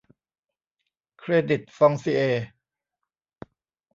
เครดิตฟองซิเอร์